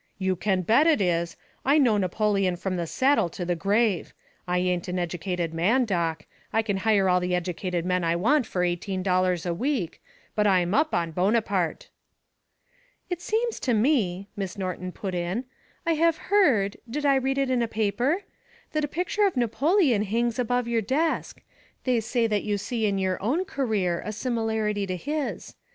"You can bet it is. I know Napoleon from the cradle to the grave. I ain't an educated man, Doc I can hire all the educated men I want for eighteen dollars a week but I'm up on Bonaparte." "It seems to me," Miss Norton put in, "I have heard did I read it in a paper? that a picture of Napoleon hangs above your desk. They say that you see in your own career, a similarity to his.